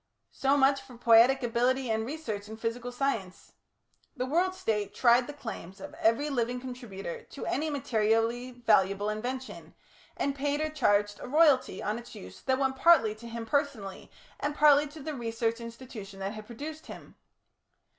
So much for poietic ability and research in physical science. The World State tried the claims of every living contributor to any materially valuable invention, and paid or charged a royalty on its use that went partly to him personally, and partly to the research institution that had produced him.